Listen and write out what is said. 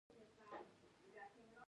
او ورپسې ملا صاحب د هغه خبرې موږ ته وکړې.